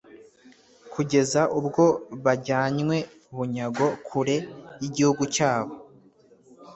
kugeza ubwo bajyanywe bunyago kure y'igihugu cyabo,